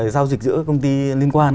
giao dịch giữa công ty liên quan